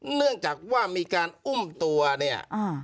เนื่องจากว่ามีการอุ้มตัวเนี่ย